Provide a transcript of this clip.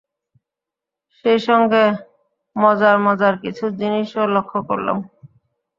সেই সঙ্গে মজারমজার কিছু জিনিসও লক্ষ করলাম।